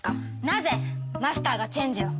なぜマスターがチェンジを！